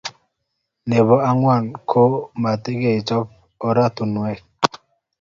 nebo angwan ko matogechop orantiwek